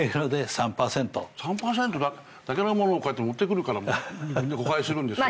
３％だけのものをこうやって持ってくるからみんな誤解するんですよ。